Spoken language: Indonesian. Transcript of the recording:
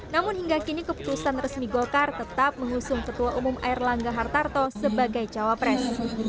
namun hingga kini keputusan resmi golkar tetap mengusung ketua umum air langga hartarto sebagai cawapres